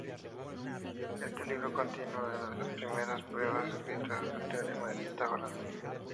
Este libro contiene una de las primeras pruebas escritas del Teorema de Pitágoras.